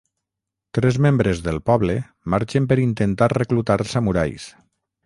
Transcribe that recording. Tres membres del poble marxen per intentar reclutar samurais.